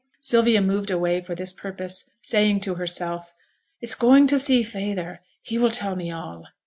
Sylvia moved away for this purpose, saying to herself, 'It's going to see feyther: he will tell me all.'